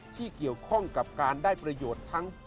ที่เกี่ยวข้องกับการได้ประโยชน์ทั้ง